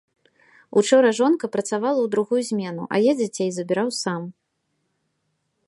Учора жонка працавала ў другую змену, а я дзяцей забіраў сам.